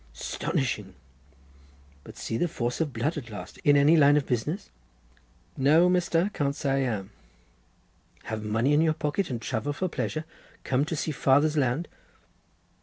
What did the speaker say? "'Stonishing! but see the force of blood at last. In any line of business?" "No, Mr., can't say I am." "Have money in your pocket, and travel for pleasure. Come to see father's land."